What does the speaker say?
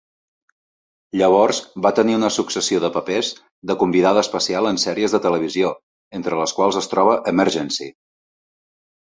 Llavors va tenir una successió de papers de convidada especial en sèries de televisió entre les quals es troba "Emergency!".